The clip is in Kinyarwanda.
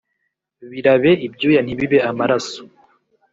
Birabe ibyuya ntibibe amaraso